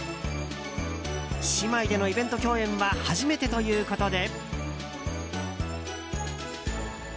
姉妹でのイベント共演は初めてということで。